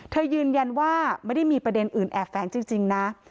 ยืนยันว่าไม่ได้มีประเด็นอื่นแอบแฝงจริงนะ